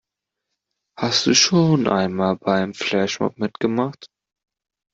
Hast du schon einmal bei einem Flashmob mitgemacht?